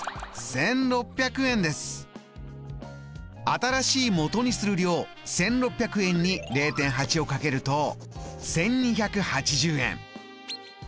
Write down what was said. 新しいもとにする量１６００円に０．８を掛けると１２８０円。